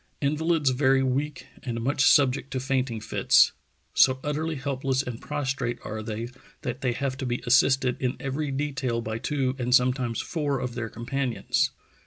... Invalids very weak and much subject to fainting fits. So utterly helpless and prostrate are they that they have to be assisted in every detail by two and sometimes four of their companions.